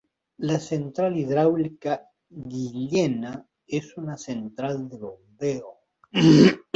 La central hidráulica Guillena es una central de bombeo.